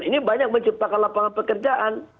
dan ini banyak menciptakan lapangan pekerjaan